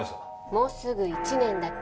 もうすぐ１年だっけ？